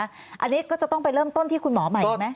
อันนี้ก็จะต้องไปเริ่มต้นที่คุณหมอใหม่ใช่ไหม